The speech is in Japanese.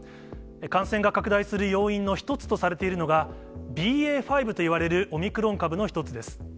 感染が拡大する要因の一つとされているのが、ＢＡ．５といわれるオミクロン株の一つです。